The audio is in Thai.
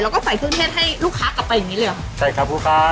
แล้วก็ใส่เครื่องเทศให้ลูกค้ากลับไปอย่างงี้เลยเหรอใช่ครับลูกค้า